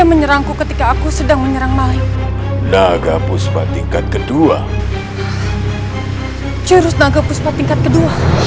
orang yang menyulitmu